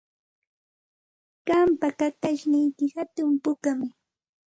Qampa kakashniyki hatun pukami.